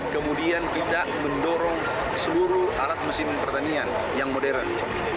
kemudian kita mendorong seluruh alat mesin pertanian yang modern